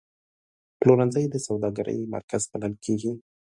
پلورنځی د سوداګرۍ مرکز بلل کېږي.